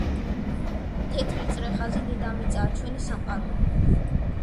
თეთრი წრეხაზი დედამიწაა, ჩვენი სამყაროა.